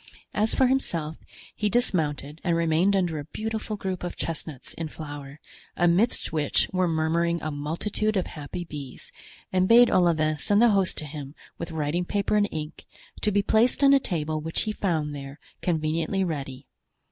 As for himself, he dismounted and remained under a beautiful group of chestnuts in flower, amidst which were murmuring a multitude of happy bees, and bade Olivain send the host to him with writing paper and ink, to be placed on a table which he found there, conveniently ready.